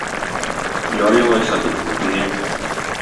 Ярый алайса, - ди, күнә.